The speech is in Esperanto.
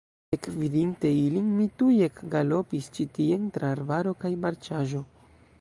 Ekvidinte ilin, mi tuj ekgalopis ĉi tien tra arbaro kaj marĉaĵo.